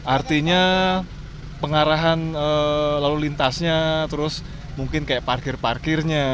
artinya pengarahan lalu lintasnya terus mungkin kayak parkir parkirnya